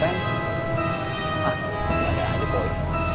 hah gak ada aja boi